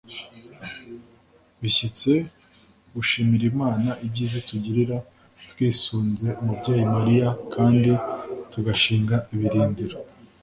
bishyitse, gushimira imana ibyiza itugirira twisunze umubyeyi mariya, kandi tugashinga ibirindiro